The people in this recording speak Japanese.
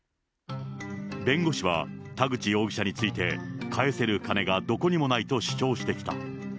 弁護士は、田口容疑者について、返せる金がどこにもないと主張してきた。